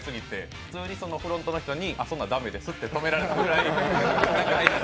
普通にフロントの人に、そんなん駄目ですって止められたぐらい。